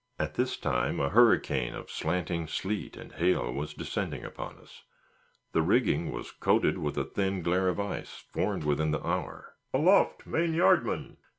At this time a hurricane of slanting sleet and hail was descending upon us; the rigging was coated with a thin glare of ice, formed within the hour. "Aloft, main yard men!